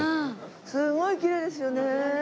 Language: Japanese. すごいきれいですよね。